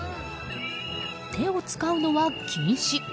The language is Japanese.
手を使うのは禁止。